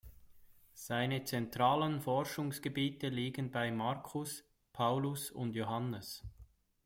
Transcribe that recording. Seine zentralen Forschungsgebiete liegen bei Markus, Paulus und Johannes.